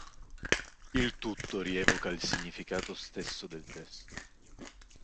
Il tutto rievoca il significato stesso del testo.